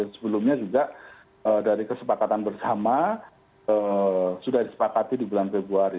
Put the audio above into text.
sebelumnya juga dari kesepakatan bersama sudah disepakati di bulan februari